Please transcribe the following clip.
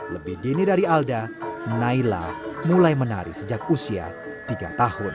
lebih dini dari alda naila mulai menari sejak usia tiga tahun